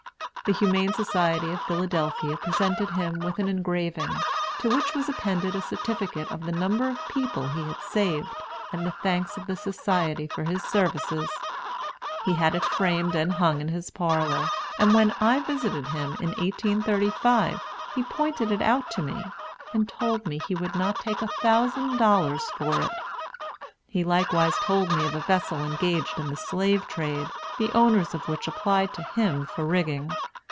The Humane Society of Philadelphia presented him with an engraving, to which was appended a certificate of the number of people he had saved, and the thanks of the Society for his services. He had it framed and hung in his parlor; and when I visited him, in 1835, he pointed it out to me, and told me he would not take a thousand dollars for it. He likewise told me of a vessel engaged in the slave trade, the owners of which applied to him for rigging.